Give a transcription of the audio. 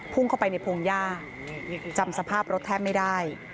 พุ่งเข้าไปในพวงย่าจำสภาพรถแทบไม่ได้